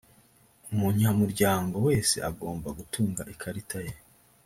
umunyamuryango wese agomba gutunga ikarita ye